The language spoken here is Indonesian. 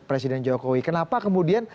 presiden jokowi kenapa kemudian